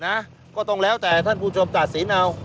นะก็ต้องแล้วแต่ท่านผู้ชมตัดสินเอา